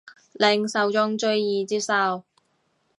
令受眾最易接受